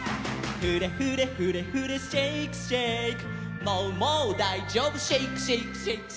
「フレフレフレフレシェイクシェイク」